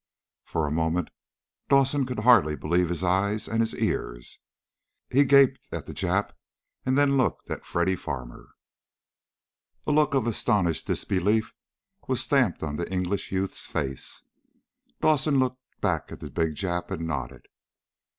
For a moment Dawson could hardly believe his eyes and ears. He gaped at the Jap and then looked at Freddy Farmer. A look of astonished disbelief was stamped on the English youth's face. Dawson looked back at the big Jap, and nodded.